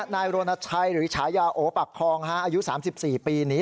นายโรนัทชัยหรือฉายาโอปากคลองฮะอายุสามสิบสี่ปีนี้